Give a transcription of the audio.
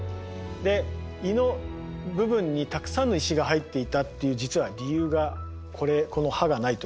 で胃の部分にたくさんの石が入っていたっていう実は理由がこれこの歯がないということなんですね。